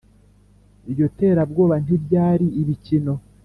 iryo terabwoba ntiryari ibikino.